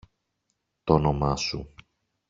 Τ' όνομα σου!